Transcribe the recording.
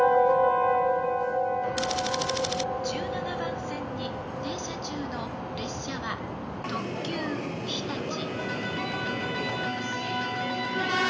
「１７番線に停車中の列車は特急ひたち」